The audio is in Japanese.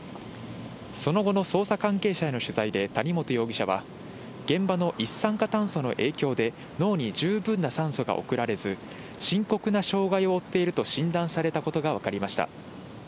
その後の捜査関係への取材で谷本容疑者は、現場の一酸化炭素の影響で、脳に十分な酸素が送られず、深刻な障がいを負っていると診断されたことが分かりました。